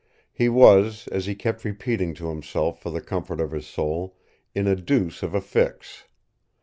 He was, as he kept repeating to himself for the comfort of his soul, in a deuce of a fix.